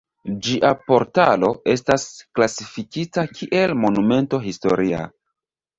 Ĝia portalo estas klasifikita kiel Monumento historia.